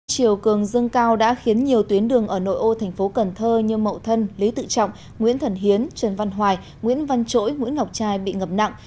chiều cường dâng cao đã khiến nhiều tuyến đường ở nội ô thành phố cần thơ như mậu thân lý tự trọng nguyễn thần hiến trần văn hoài nguyễn văn chỗi nguyễn ngọc trai bị ngập nặng